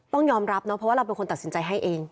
ต้องยอมรับเนอะเพราะว่าเราเป็นคนตัดสินใจให้เอง